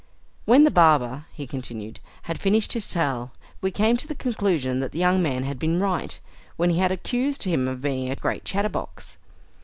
"When the barber," he continued, "had finished his tale, we came to the conclusion that the young man had been right, when he had accused him of being a great chatter box.